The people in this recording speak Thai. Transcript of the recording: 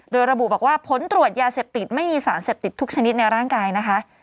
โดยระบุบอกว่าผลตรวจยาเสพติดไม่มีสารเสพติดทุกชนิดในร่างกายนะคะ